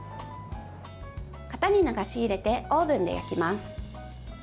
型に流し入れてオーブンで焼きます。